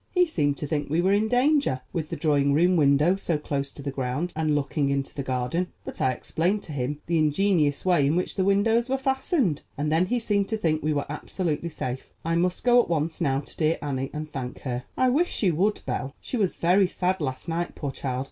He seemed to think we were in danger with the drawing room window so close to the ground and looking into the garden; but I explained to him the ingenious way in which the windows were fastened, and then he seemed to think we were absolutely safe. I must go at once now to dear Annie, and thank her." "I wish you would, Belle; she was very sad last night, poor child.